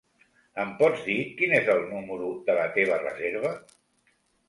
Em pots dir quin és el número de la teva reserva?